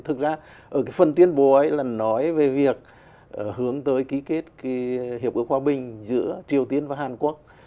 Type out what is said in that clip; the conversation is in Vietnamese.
thực ra ở cái phần tuyên bố ấy là nói về việc hướng tới ký kết cái hiệp ước hòa bình giữa triều tiên và hàn quốc